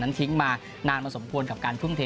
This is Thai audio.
ทิ้งมานานมาสมควรกับการทุ่มเท